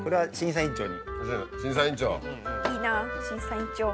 いいな審査員長。